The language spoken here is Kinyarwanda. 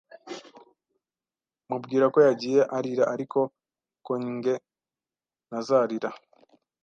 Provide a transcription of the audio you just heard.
mubwira ko yagiye arira, ariko ko nge ntazarira